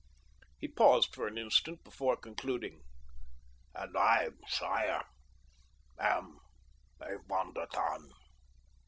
He paused for an instant before concluding. "And I, sire, am a Von der Tann."